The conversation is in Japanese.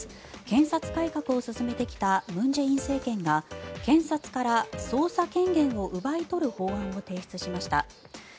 検察改革を進めてきた文在寅政権が検察から捜査権限を奪い取る法案を提出しました。